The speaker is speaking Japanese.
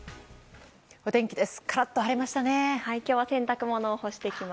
お天気です。